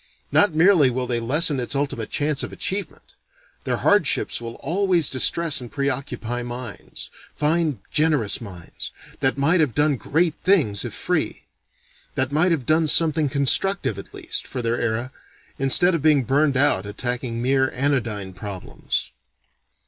Not merely will they lessen its ultimate chance of achievement; their hardships will always distress and preoccupy minds, fine, generous minds, that might have done great things if free: that might have done something constructive at least, for their era, instead of being burned out attacking mere anodyne problems.